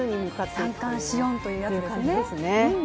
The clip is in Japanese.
三寒四温というやつですね。